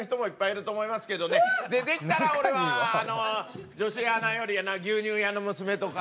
できたら俺はあの女子アナより牛乳屋の娘とか。